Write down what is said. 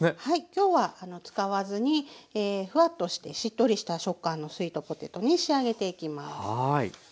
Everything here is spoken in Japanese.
今日は使わずにフワッとしてしっとりした食感のスイートポテトに仕上げていきます。